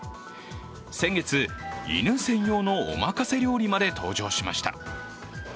先月、犬専用のおまかせ料理まで登場しました。